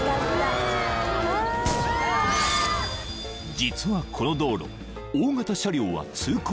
［実はこの道路］